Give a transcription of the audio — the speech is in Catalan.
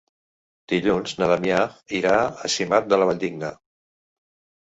Dilluns na Damià irà a Simat de la Valldigna.